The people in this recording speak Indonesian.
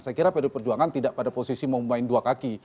saya kira pd perjuangan tidak pada posisi mau main dua kaki